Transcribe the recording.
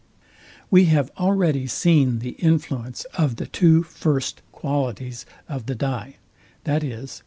We have already seen the influence of the two first qualities of the dye, viz.